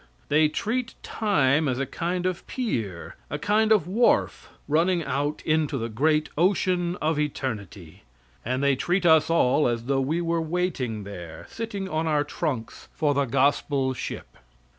They treat time as a kind of pier a kind of wharf running out into the great ocean of eternity; and they treat us all as though we were waiting there, sitting on our trunks, for the gospel ship.